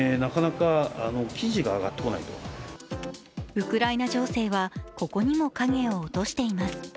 ウクライナ情勢はここにも影を落としています。